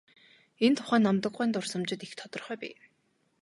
Энэ тухай Намдаг гуайн дурсамжид их тодорхой бий.